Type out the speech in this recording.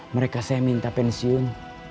mereka saya minta pensiun